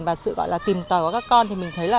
và sự gọi là tìm tòi của các con thì mình thấy là